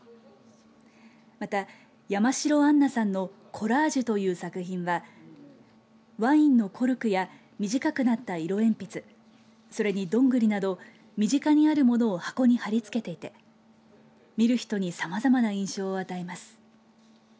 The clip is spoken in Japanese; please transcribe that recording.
また、山城杏奈さんのコラージュという作品はワインのコルクや短くなった色鉛筆それに、どんぐりなど身近にあるものを箱に貼り付けていて見る人にさまざまな印象を与えます。